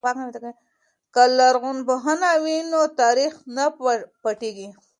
که لرغونپوهنه وي نو تاریخ نه پټیږي.